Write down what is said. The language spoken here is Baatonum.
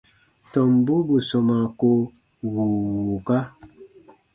Tɔmbu bù sɔmaa ko wùu wùuka.